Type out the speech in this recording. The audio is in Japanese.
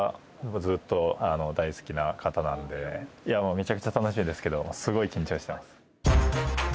めちゃくちゃ楽しみですがすごい緊張してます。